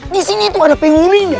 di sini tuh ada pengurinya